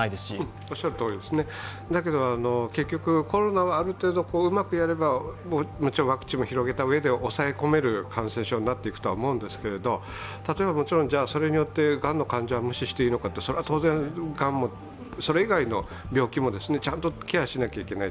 だけど、結局、コロナはある程度うまくやれば、もちろんワクチンをある程度広めたうえで抑え込める感染症になっていくとは思うんですけど例えばそれによってがんの患者は無視していいのかというと、それは当然、それ以外の病気もちゃんとケアしないといけない。